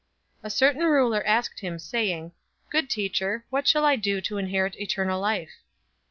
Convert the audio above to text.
018:018 A certain ruler asked him, saying, "Good Teacher, what shall I do to inherit eternal life?"